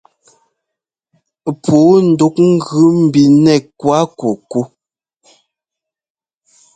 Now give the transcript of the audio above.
Pǔu ndúk gʉ mbi nɛ́ kuákukú.